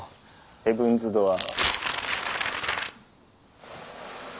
ヘブンズ・ドアー。